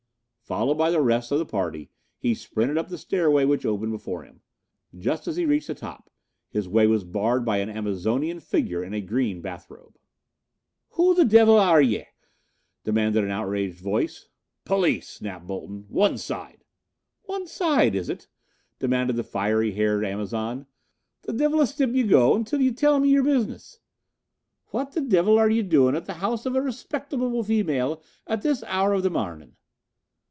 Followed by the rest of the party, he sprinted up the stairway which opened before him. Just as he reached the top his way was barred by an Amazonian figure in a green bathrobe. "Who th' divil arre yer?" demanded an outraged voice. "Police," snapped Bolton. "One side!" "Wan side, is it?" demanded the fiery haired Amazon. "The divil a stip ye go until ye till me ye'er bizness. Phwat th' divil arre yer doin' in th' house uv a rayspictable female at this hour uv th' marnin'?"